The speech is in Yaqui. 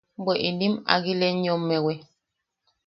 –Bwe inim ‘agileyommewiʼ.